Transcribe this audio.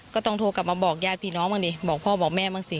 ก็ต้องโทรกลับมาบอกญาติพี่น้องบ้างดิบอกพ่อบอกแม่บ้างสิ